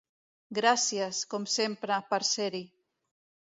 Gràcies, com sempre, per ser-hi.